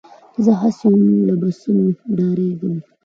زه هسې هم له بسونو ډارېږم.